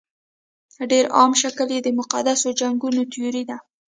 ډېر عام شکل یې د مقدسو جنګونو تیوري ده.